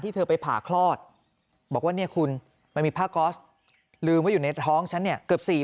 เธอไปผ่าคลอดบอกว่าเนี่ยคุณมันมีผ้าก๊อสลืมไว้อยู่ในท้องฉันเนี่ยเกือบ๔๐